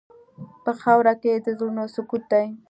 په خاوره کې د زړونو سکوت دی.